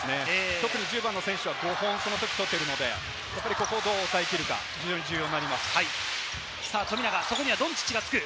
特に１０番の選手はその時、５本取っているので、ここをどう抑え切るかが重要になります。